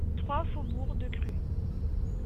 trois faubourg de Crux